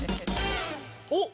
おっ！